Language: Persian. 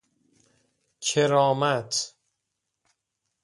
کرامت